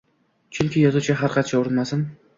Chunki yozuvchi har qancha urinmasin